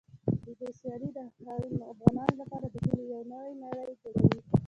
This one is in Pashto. د دوی سیالۍ د افغانانو لپاره د هیلو یوه نوې نړۍ جوړوي.